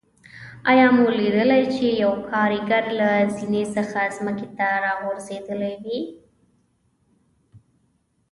آیا مو لیدلي چې یو کاریګر له زینې څخه ځمکې ته راغورځېدلی وي.